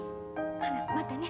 ほなまたね。